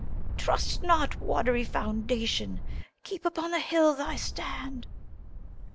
Trust not watery foundation! Keep upon the hill thy stand! PHILEMOK.